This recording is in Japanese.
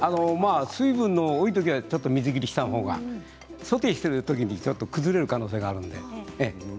水分の多い時はちょっと水切りした方がソテーする時にちょっと崩れる可能性があるので。